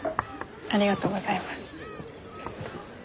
ありがとうございます。